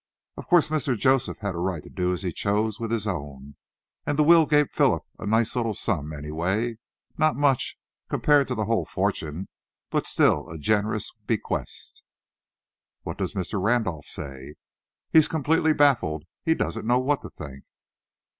Of course, Mr. Joseph had a right to do as he chose with his own, and the will gave Philip a nice little sum, any way. Not much, compared to the whole fortune, but, still, a generous bequest." "What does Mr. Randolph say?" "He's completely baffled. He doesn't know what to think."